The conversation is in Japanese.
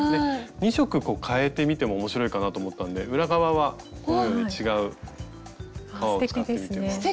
２色かえてみても面白いかなと思ったんで裏側はこのように違う革を使ってみてます。